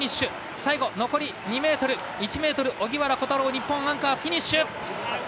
最後、荻原虎太郎日本アンカー、フィニッシュ。